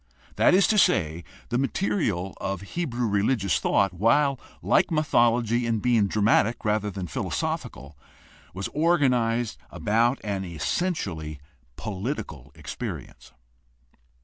That is to say, the material of Hebrew religious thought, while like mythology in being dramatic rather than philosophical, was organized about an essentially political experience.